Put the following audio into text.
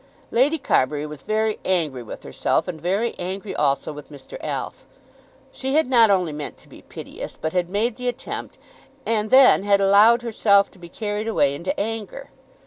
Lady Carbury was very angry with herself, and very angry also with Mr. Alf. She had not only meant to be piteous, but had made the attempt and then had allowed herself to be carried away into anger.